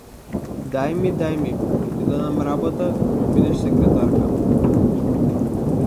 Дај ми, дај ми, ќе ти дадам работа, ќе ми бидеш секретарка!